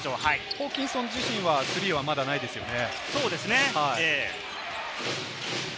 ホーキンソン自身はスリーはないですよね。